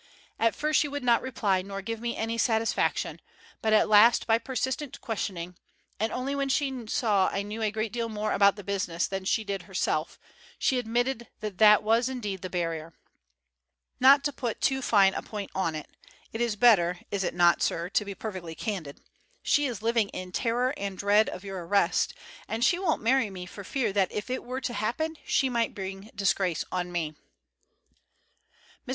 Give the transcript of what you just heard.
At first she would not reply nor give me any satisfaction, but at last by persistent questioning, and only when she saw I knew a great deal more about the business than she did herself, she admitted that that was indeed the barrier. Not to put too fine a point on it—it is better, is it not, sir, to be perfectly candid—she is living in terror and dread of your arrest, and she won't marry me for fear that if it were to happen she might bring disgrace on me." Mr.